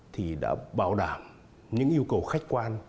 thì đã bảo đảm những yêu cầu khách quan